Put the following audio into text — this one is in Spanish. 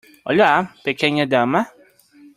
Hola , pequeña dama .